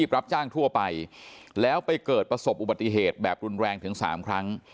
รับจ้างทั่วไปแล้วไปเกิดประสบอุบัติเหตุแบบรุนแรงถึง๓ครั้ง